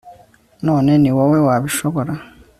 none ni wowe wabishobora